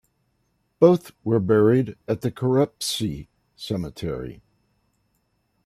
Both were buried at the Kerepesi Cemetery.